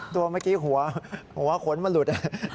ตัวเมื่อกี้หัวขนมันหลุด